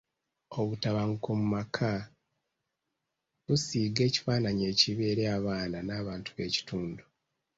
Obutabanguko mu maka busiiga ekifaananyi ekibi eri abaana n'abantu b'ekitundu.